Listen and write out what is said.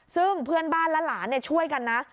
ซึ่งเพื่อนบ้านและหลานช่วยกันนะ